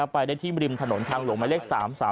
ไปได้ที่ริมถนนทางหลวงหมายเลข๓๓